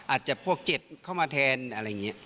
อาจจะพวกเจ็บเข้ามาแทนอะไรอย่างนี้